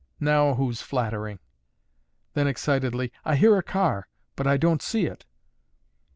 "Now, who's flattering?" Then, excitedly, "I hear a car, but I don't see it."